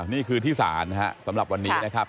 นี่คือที่ศาลนะครับสำหรับวันนี้นะครับ